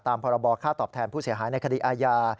พรบค่าตอบแทนผู้เสียหายในคดีอาญา